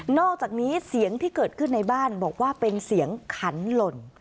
อกจากนี้เสียงที่เกิดขึ้นในบ้านบอกว่าเป็นเสียงขันหล่น